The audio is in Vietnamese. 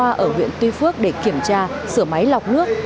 anh trung đã ở huyện tuy phước để kiểm tra sửa máy lọc nước